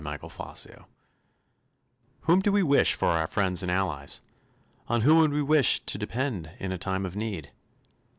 STABILITY Whom do we wish for our friends and allies? On whom would we wish to depend in a time of need?